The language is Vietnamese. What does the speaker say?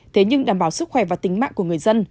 thế nhưng đảm bảo sức khỏe và tính mạng của người dân